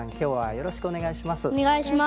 よろしくお願いします。